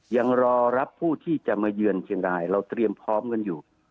ยังรอรับผู้ที่จะมาเยือนเชียงรายเราเตรียมพร้อมกันอยู่